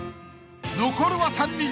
［残るは３人］